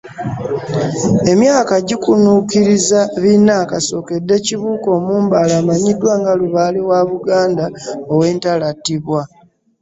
Emyaka gikunuukiriza bina kasookedde Kibuuka Omumbaale, amanyiddwa nga Lubaale wa Buganda ow’entalo attibwa.